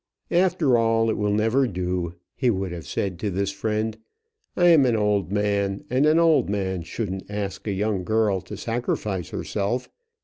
"After all it will never do," he would have said to this friend; "I am an old man, and an old man shouldn't ask a young girl to sacrifice herself.